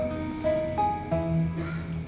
rasanya baru kemarin ceng